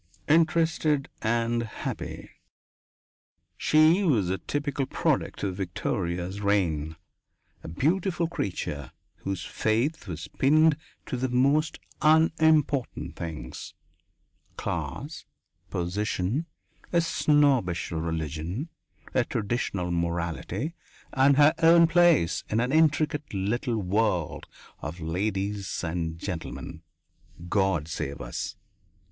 Interested and happy! She was a typical product of Victoria's reign, a beautiful creature whose faith was pinned to the most unimportant things class, position, a snobbish religion, a traditional morality and her own place in an intricate little world of ladies and gentlemen. God save us!